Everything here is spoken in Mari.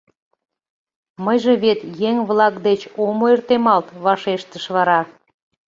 Мыйже вет еҥ-влак деч ом ойыртемалт, — вашештыш вара.